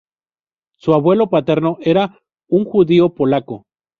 Su abuelo paterno era un judío polaco.